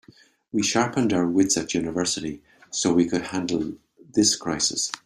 We sharpened our wits at university so we could handle this crisis.